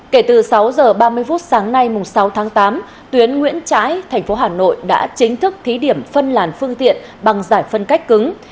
kể từ sáu h ba mươi phút sáng nay sáu tháng tám tuyến nguyễn trãi thành phố hà nội đã chính thức thí điểm phân làn phương tiện bằng giải phân cách cứng